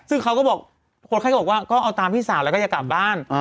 ซึ่งเขาก็บอกคนไข้ก็บอกว่าก็เอาตามพี่สาวแล้วก็จะกลับบ้าน